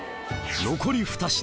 残り２品